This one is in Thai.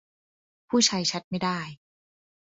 ผู้ใช้แชตไม่ได้